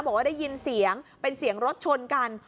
บอกว่าได้ยินเสียงเป็นเสียงรถชนกัน